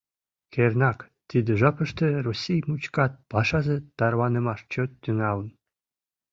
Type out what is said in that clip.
Кернак, тиде жапыште Россий мучкат пашазе тарванымаш чот тӱҥалын.